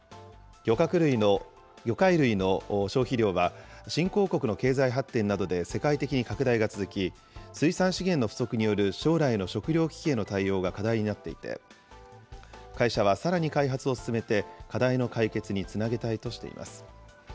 魚介類の消費量は、新興国の経済発展などで世界的に拡大が続き、水産資源の不足による将来の食料危機への対応が課題になっていて、会社はさらに開発を進めて、課題の解決につなげたいとしています。